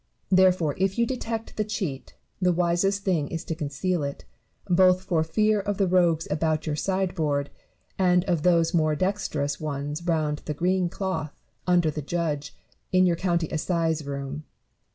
Therefore, if you detect the cheat, the wisest thing is to conceal it ; both for fear of the rogues about your sideboard, and of those more dexterous ones round the green cloth, under the judge, in your county assize room.